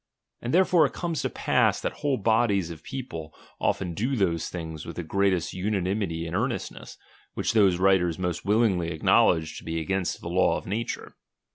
And therefore it comes to pass, that whole bodies of people often do those things with the greatest unanimity and earnestness, which those writers most willingly acknowledge to be against the law of na ture.